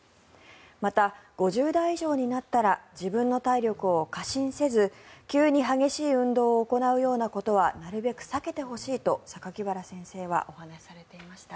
また、５０代以上になったら自分の体力を過信せず急に激しい運動を行うようなことはなるべく避けてほしいと榊原先生はお話しされていました。